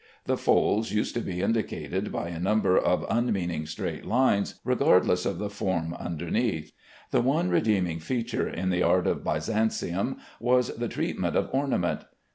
The folds used to be indicated by a number of unmeaning straight lines, regardless of the form underneath. The one redeeming feature in the art of Byzantium was the treatment of ornament.